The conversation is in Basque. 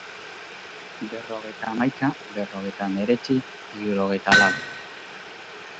Berrogeita hamaika... berrogeita hemeretzi... hirurogeita lau.